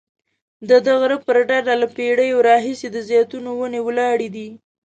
ددې غره پر ډډه له پیړیو راهیسې د زیتونو ونې ولاړې دي.